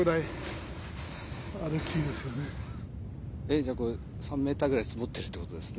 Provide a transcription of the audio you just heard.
えっじゃあこれ３ｍぐらい積もってるってことですね。